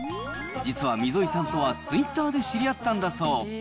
実は溝井さんとはツイッターで知り合ったんだそう。